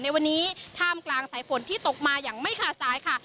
ในวันนี้ท่ามกลางสายฝนที่ตกมาอย่างไม่ขาดสายค่ะ